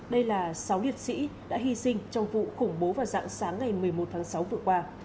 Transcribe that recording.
đây là sáu liệt sĩ đã hy sinh trong vụ khủng bố vào dạng sáng ngày một mươi một tháng sáu vừa qua